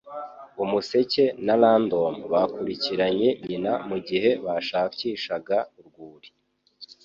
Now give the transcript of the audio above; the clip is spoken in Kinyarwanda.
Umuseke na Random bakurikiranye nyina mugihe bashakishaga urwuri.